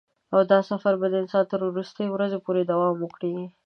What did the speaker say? او دا سفر به د انسان تر وروستۍ ورځې دوام وکړي.